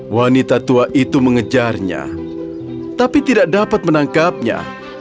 wanita tua itu mengejarnya tapi tidak dapat menangkapnya